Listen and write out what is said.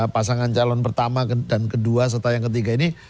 pasangan calon pertama dan kedua serta yang ketiga ini